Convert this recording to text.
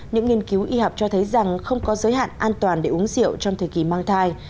những nghiên cứu y học cho thấy rằng không có giới hạn an toàn để uống rượu trong thời kỳ mang thai